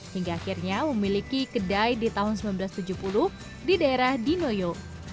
hingga akhirnya memiliki kedai di tahun seribu sembilan ratus tujuh puluh di daerah dinoyo